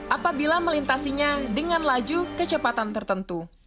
apabila melintasinya dengan laju kecepatan tertentu